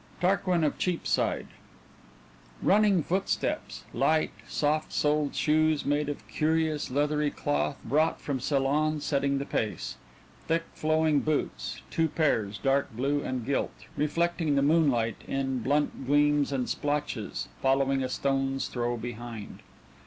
TARQUIN OF CHEAPSIDE Running footsteps light, soft soled shoes made of curious leathery cloth brought from Ceylon setting the pace; thick flowing boots, two pairs, dark blue and gilt, reflecting the moonlight in blunt gleams and splotches, following a stone's throw behind.